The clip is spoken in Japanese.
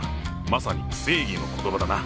まさに正義の言葉だな！